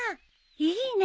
いいね。